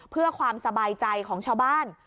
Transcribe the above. เพื่อความสบายใจของชาวบ้าน